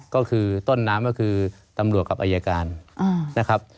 ก็คือต้นน้ำก็คือตำรวจกับอายการนะครับ